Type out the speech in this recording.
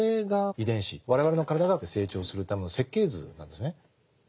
我々の体が成長するための設計図なんですね。